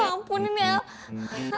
ya ampunin ya